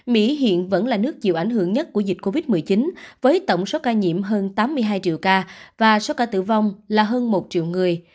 mỹ hiện vẫn là nước chịu ảnh hưởng nhất của dịch covid một mươi chín với tổng số ca nhiễm hơn tám mươi hai triệu ca và số ca tử vong là hơn một triệu người